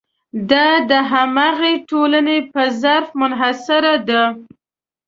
دا د همغې ټولنې په ظرف منحصره ده.